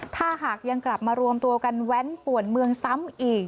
ถ้าหากยังกลับมารวมตัวกันแว้นป่วนเมืองซ้ำอีก